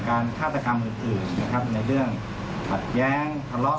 การฆาตกรรมอื่นในเรื่องขัดแย้ง